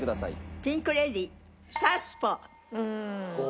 ピンク・レディー『サウスポー』。